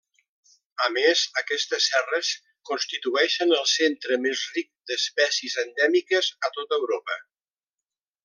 A més, aquestes serres constitueixen el centre més ric d'espècies endèmiques a tot Europa.